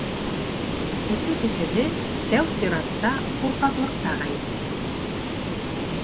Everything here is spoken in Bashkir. Өфө кешеһе тәү сиратта ҡурҡаҡлыҡта ғәйепләй.